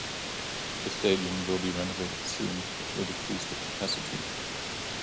The stadium will be renovated soon, which will decrease the capacity.